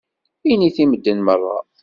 Init i medden meṛṛa.